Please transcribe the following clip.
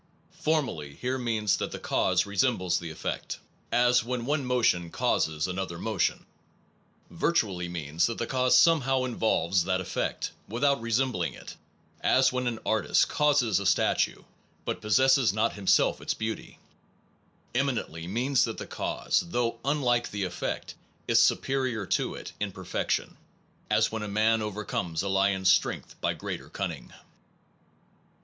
(* Formally* here means that the cause resembles the effect, as 191 SOME PROBLEMS OF PHILOSOPHY when one motion causes another motion; vir tually means that the cause somehow involves that effect, without resembling it, as when an artist causes a statue but possesses not himself its beauty; eminently means that the cause, though unlike the effect, is superior to it in perfection, as when a man overcomes a lion s strength by greater cunning.)